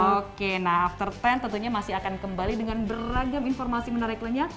oke nah after sepuluh tentunya masih akan kembali dengan beragam informasi menarik lainnya